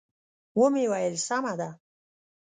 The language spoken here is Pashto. و مې ویل: سمه ده.